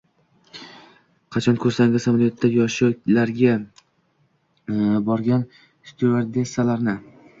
- Qachon ko'rgansiz samolyotda yoshi larga borgan styuardessalarni?!